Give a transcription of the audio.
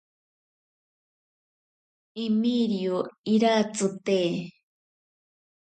Emirio iratsi te.